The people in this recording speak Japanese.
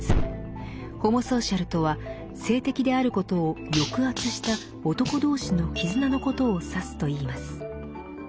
ホモソーシャルとは性的であることを抑圧した男同士の絆のことを指すといいます。